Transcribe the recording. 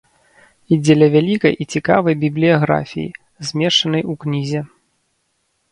І дзеля вялікай і цікавай бібліяграфіі, змешчанай у кнізе.